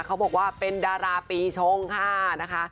เขาบอกว่าเป็นดาราปีชงค่ะนะคะ